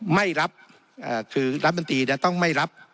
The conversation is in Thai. ไม่รับเอ่อคือรัฐบันตรีเนี้ยต้องไม่รับ